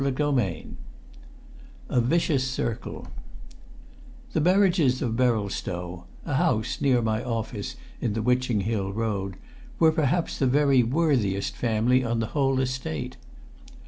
CHAPTER III A Vicious Circle The Berridges of Berylstow a house near my office in the Witching Hill Road were perhaps the very worthiest family on the whole Estate.